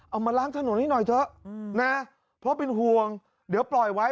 เอามาล้างถนนให้หน่อยเถอะนะเพราะเป็นห่วงเดี๋ยวปล่อยไว้